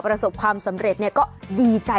ประสบความสำเร็จก็ดีใจ